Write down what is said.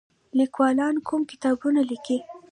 لیکوالان کوم کتابونه لیکي؟